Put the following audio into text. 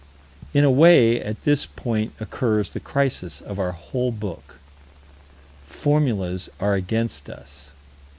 In a way, at this point occurs the crisis of our whole book. Formulas are against us.